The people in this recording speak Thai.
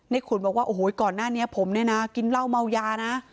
ขุนบอกว่าโอ้โหก่อนหน้านี้ผมเนี่ยนะกินเหล้าเมายานะ